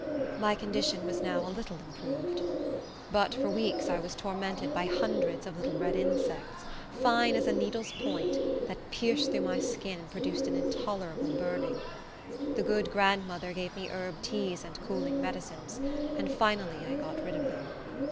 My condition was now a little improved. But for weeks I was tormented by hundreds of little red insects, fine as a needle's point, that pierced through my skin, and produced an intolerable burning. The good grandmother gave me herb teas and cooling medicines, and finally I got rid of them.